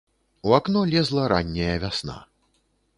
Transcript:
У акно лезла ранняя вясна.